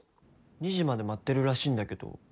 ２時まで待ってるらしいんだけど。